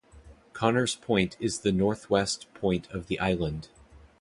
Connors Point is the northwest point of the island.